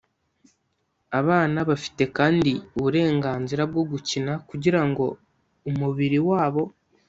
abana bafite kandi uburenganzira bwo gukina kugira ngo umubiri wabo